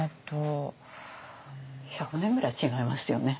１００年ぐらい違いますよね